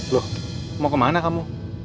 loh mau kemana kamu